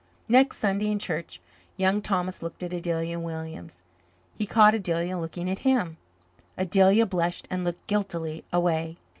Next Sunday in church Young Thomas looked at Adelia Williams. He caught Adelia looking at him. Adelia blushed and looked guiltily away.